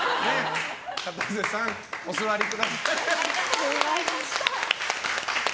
かたせさん、お座りください。